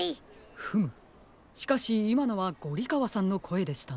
フムしかしいまのはゴリかわさんのこえでしたね。